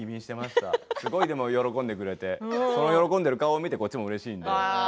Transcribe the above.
すごい喜んでくれてその喜んでいる顔を見てこっちもうれしいので。